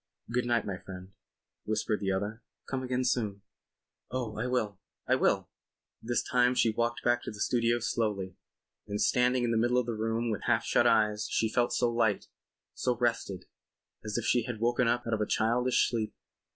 "Good night, my friend," whispered the other. "Come again soon." "Oh, I will. I will." This time she walked back to the studio slowly, and standing in the middle of the room with half shut eyes she felt so light, so rested, as if she had woken up out of a childish sleep.